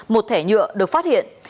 một thẻ nhựa được phát hiện